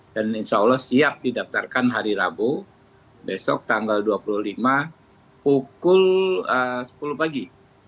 dan insya allah siap didaftarkan hari rabu besok tanggal dua puluh lima pukul sepuluh pagi